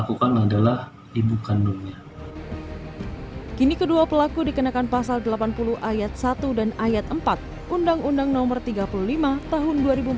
kini kedua pelaku dikenakan pasal delapan puluh ayat satu dan ayat empat undang undang no tiga puluh lima tahun dua ribu empat belas